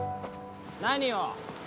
何を？